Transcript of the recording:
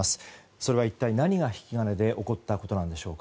それは一体何が引き金で起こったことなんでしょうか。